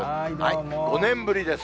５年ぶりです。